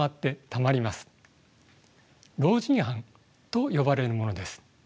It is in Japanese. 老人斑と呼ばれるものです。